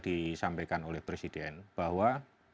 disampaikan oleh presiden bahwa